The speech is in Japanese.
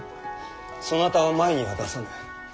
そなたは前には出さぬ。